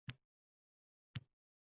-Dadasi endi ilojim qolmadi